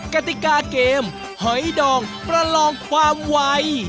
กติกาเกมหอยดองประลองความไว